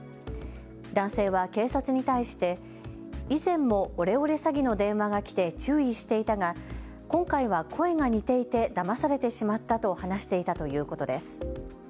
男性は警察に対して以前もオレオレ詐欺の電話が来て注意していたが、今回は声が似ていてだまされてしまったと話していたということです。